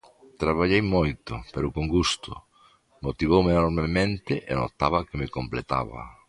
Traballei moito, pero con gusto, motivoume enormemente e notaba que me completaba.